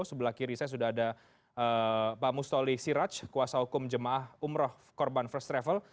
sebelah kiri saya sudah ada pak mustoli siraj kuasa hukum jemaah umroh korban first travel